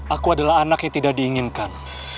aku adalah anak yang tidak diinginkan